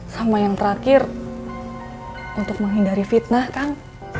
sama yang terakhir untuk menghindari fitnah kan